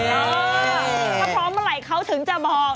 ถ้าพร้อมเมื่อไหร่เขาถึงจะบอก